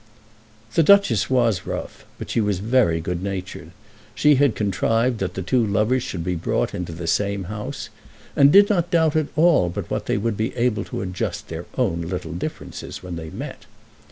The Duchess was rough, but she was very good natured. She had contrived that the two lovers should be brought into the same house, and did not doubt at all but what they would be able to adjust their own little differences when they met.